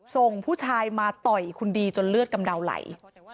ส่งผู้ชายมาต่อยคุณดีจนเลือดกำเดาไหล